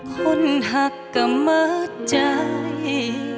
คนหักก็เหมือนใจ